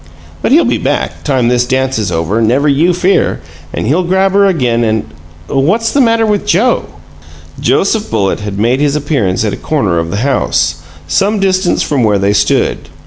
But he'll be back, time this dance is over, never you fear, and he'll grab her again and What's the matter with Joe?" Joseph Bullitt had made his appearance at a corner of the house, some distance from where they stood.